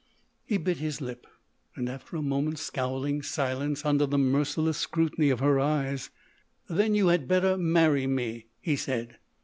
He bit his lip; and after a moment's scowling silence under the merciless scrutiny of her eyes: "Then you had better marry me," he said.